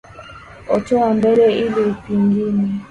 itoa mbele ili pengine